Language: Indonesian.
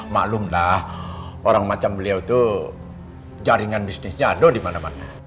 maklumlah orang macam beliau tuh jaringan bisnisnya ada dimana mana